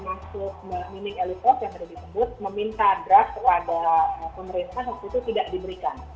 ada beberapa kawan termasuk mining elipos yang tadi disebut meminta draft kepada pemerintah tapi itu tidak diberikan